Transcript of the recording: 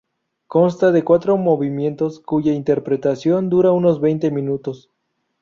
Consta de cuatro movimientos, cuya interpretación dura unos veinte minutos.